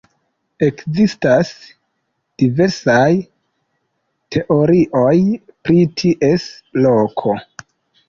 Ekzistas diversaj teorioj pri ties loko.